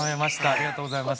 ありがとうございます。